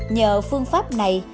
nhờ phương pháp này